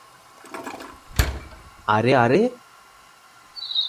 আরে, আরে!